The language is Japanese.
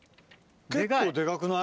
結構デカくない？